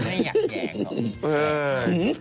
ไม่อยากแกล้งเขา